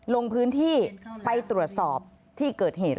ลงพื้นที่ไปตรวจสอบที่เกิดเหตุ